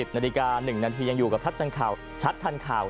๑๐นาฬิกา๑นาทียังอยู่กับทัพจันทร์ข่าวชัดทันข่าว